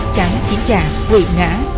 tráng sinh trà hủy ngã